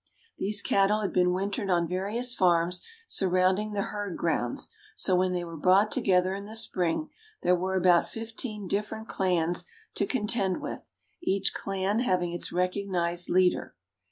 These cattle had been wintered on various farms surrounding the herd grounds, so when they were brought together in the spring there were about fifteen different clans to contend with, each clan having its recognized leader.